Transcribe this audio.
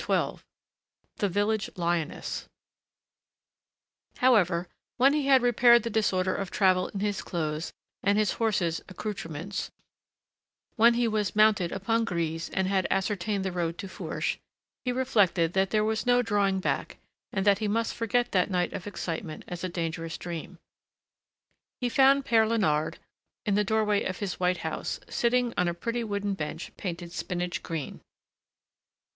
XII THE VILLAGE LIONESS However, when he had repaired the disorder of travel in his clothes and his horse's accoutrements, when he was mounted upon Grise and had ascertained the road to Fourche, he reflected that there was no drawing back and that he must forget that night of excitement as a dangerous dream. He found Père Léonard in the doorway of his white house, sitting on a pretty wooden bench painted spinach green.